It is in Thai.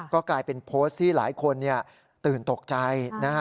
ก็กลายเป็นโพสต์ที่หลายคนตื่นตกใจนะฮะ